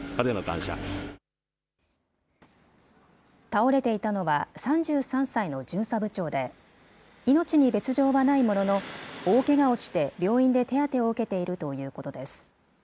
倒れていたのは３３歳の巡査部長で、命に別状はないものの、大けがをして病院で手当てを受けているということです。